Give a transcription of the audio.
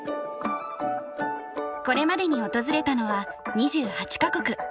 これまでに訪れたのは２８か国。